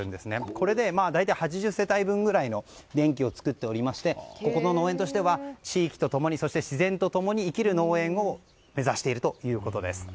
これで大体８０世帯分くらいの電気を作っていましてこの農園としては地域と共に自然と共に生きる農園を目指しているということです。